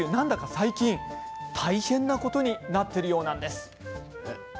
最近、大変なことになっているようなんです。